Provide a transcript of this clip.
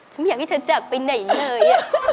ฉันไม่อยากให้เธอจะออกไปไหนเลย